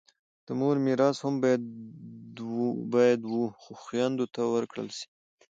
د مور میراث هم باید و خویندو ته ورکړل سي.